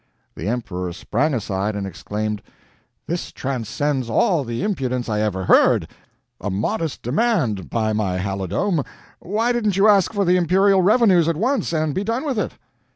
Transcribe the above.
The emperor sprang aside and exclaimed: "This transcends all the impudence I ever heard! A modest demand, by my halidome! Why didn't you ask for the imperial revenues at once, and be done with it?"